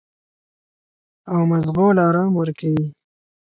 او مزغو له ارام ورکوي -